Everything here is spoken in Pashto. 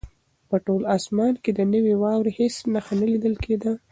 په ټول اسمان کې د نوې واورې هېڅ نښه نه لیدل کېده.